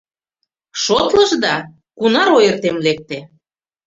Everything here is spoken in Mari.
Шотлышда, кунар ойыртем лекте?